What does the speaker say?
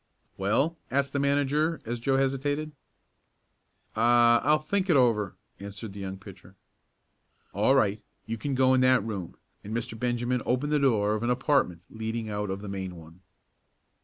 "Well?" asked the manager as Joe hesitated. "I I'll think it over," answered the young pitcher. "All right. You can go in that room," and Mr. Benjamin opened the door of an apartment leading out of the main one.